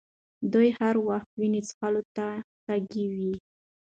دوی هر وخت وینو څښلو ته تږي وي.